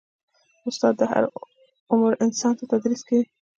استاد د هر عمر انسان ته تدریس کوي.